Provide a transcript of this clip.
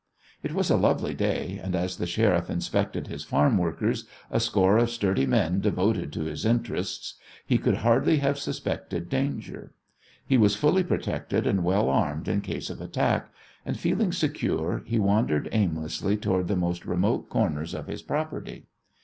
It was a lovely day, and as the Sheriff inspected his farm workers, a score of sturdy men devoted to his interests, he could hardly have suspected danger. He was fully protected and well armed in case of attack, and, feeling secure, he wandered aimlessly towards the most remote corners of his property.